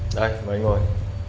đây mời anh ngồi